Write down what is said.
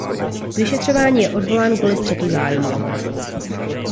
Z vyšetřování je odvolán kvůli střetu zájmů.